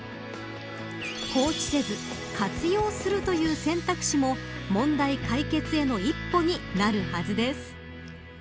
放置せず活用するという選択肢も、問題解決への一歩になるはずです。